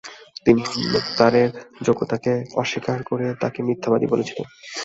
তিনি মুখতারের যোগ্যতাকে অস্বীকার করে তাকে মিথ্যাবাদী বলেছিলেন।